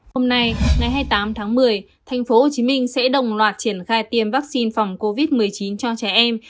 hôm nay ngày hai mươi tám tháng một mươi tp hcm sẽ đồng loạt triển khai tiêm vaccine phòng covid một mươi chín cho trẻ em